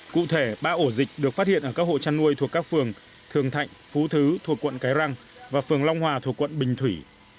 cụ thể ba ổ dịch được phát hiện ở các hộ chăn nuôi thuộc các phường thường thạnh phú thứ thuộc quận cái răng và phường long hòa thuộc quận bình thủy